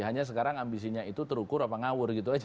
hanya sekarang ambisinya itu terukur atau ngawur gitu saja